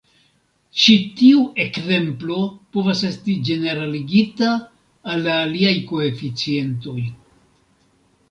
Ĉi tiu ekzemplo povas esti ĝeneraligita al la aliaj koeficientoj.